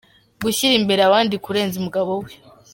Gushyira imbere abandi kurenza umugabo we.